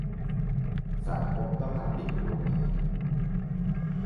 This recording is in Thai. สามก๊ก ก็พับลิกโดเมน